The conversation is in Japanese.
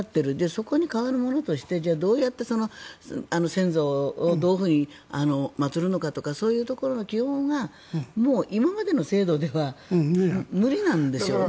そこに変わるものとしてどうやって先祖をどういうふうに祭るのかとかそういうところの基本がもう、今までの制度では無理なんですよね。